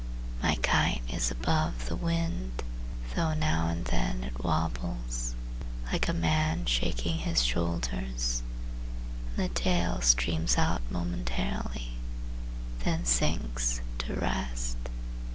My kite is above the wind, Though now and then it wobbles, Like a man shaking his shoulders; And the tail streams out momentarily, Then sinks to rest.